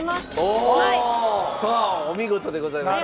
さあお見事でございます。